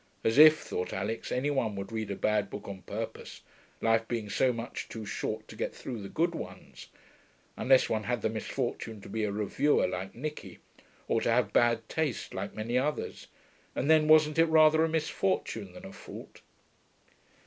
(As if, thought Alix, any one would read a bad book on purpose, life being so much too short to get through the good ones; unless one had the misfortune to be a reviewer, like Nicky, or to have bad taste, like many others; and then wasn't it rather a misfortune than a fault?)